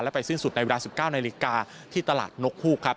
ไปสิ้นสุดในเวลา๑๙นาฬิกาที่ตลาดนกฮูกครับ